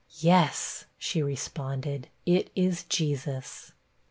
'Yes,' she responded, 'it is Jesus.'